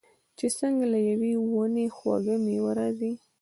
چې څنګه له یوې ونې خوږه میوه راځي.